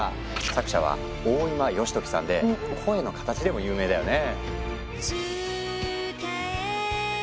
作者は大今良時さんで「聲の形」でも有名だよね。